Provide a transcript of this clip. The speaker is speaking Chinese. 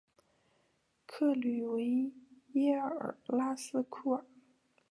克吕维耶尔拉斯库尔。